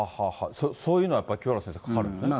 そういうのはやっぱり、清原先生、かかるんですか。